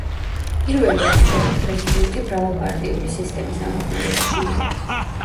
პირველი არჩეული პრეზიდენტი მრავალპარტიული სისტემის ამოქმედების შემდეგ.